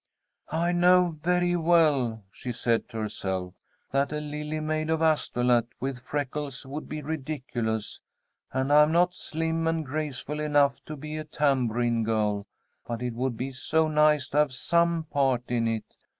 "I know very well," she said to herself, "that a Lily Maid of Astolat with freckles would be ridiculous, and I'm not slim and graceful enough to be a tambourine girl, but it would be so nice to have some part in it.